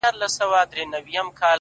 گلي نن بيا راته راياده سولې،